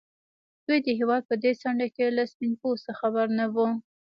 دوی د هېواد په دې څنډه کې له سپين پوستو خبر نه وو.